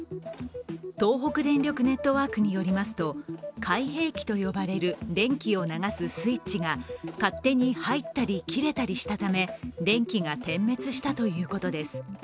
東北電力ネットワークによりますと開閉器と呼ばれる電気を流すスイッチが勝手に入ったり切れたりしたため、電気が点滅したということです。